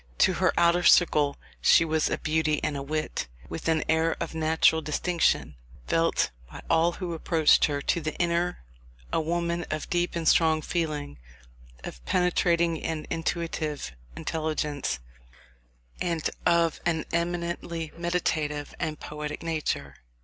To her outer circle she was a beauty and a wit, with an air of natural distinction, felt by all who approached her: to the inner, a woman of deep and strong feeling, of penetrating and intuitive intelligence, and of an eminently meditative and poetic nature.